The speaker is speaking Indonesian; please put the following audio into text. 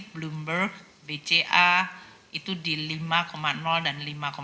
bloomberg bca itu di lima dan lima enam